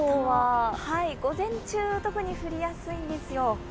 午前中、特に降りやすいんですよ。